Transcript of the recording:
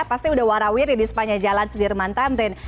pasti udah warawiri di sepanjang jalan sudirman tamtin